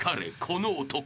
この男］